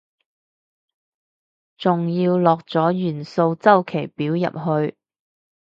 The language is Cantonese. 仲要落咗元素週期表入去